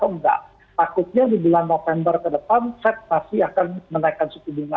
takutnya di bulan november ke depan set pasti akan menaikkan setidiknya